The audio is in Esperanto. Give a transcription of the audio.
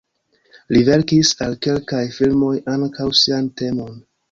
Li verkis al kelkaj filmoj ankaŭ sian temon.